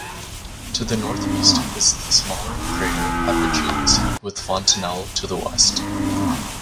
To the northeast is the smaller crater Epigenes, with Fontenelle to the west.